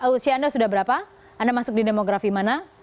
usia anda sudah berapa anda masuk di demografi mana